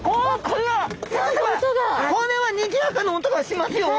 これはにぎやかな音がしますよ！